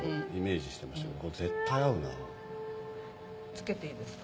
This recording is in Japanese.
つけていいですか。